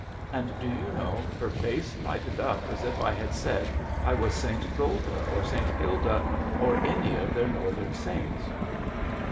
And, do you know, her face lighted up as if I had said I was St. Gulda, or St. Hilda, or any of their Northmen Saints.